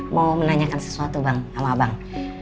mau menanyakan sesuatu bang sama abang